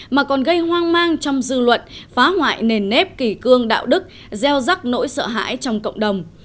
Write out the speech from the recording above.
mà còn gây hoang mang trong dư luận phá hoại nền nếp kỷ cương đạo đức gieo rắc nỗi sợ hãi trong cộng đồng